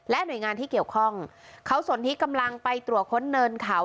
หน่วยงานที่เกี่ยวข้องเขาสนที่กำลังไปตรวจค้นเนินเขา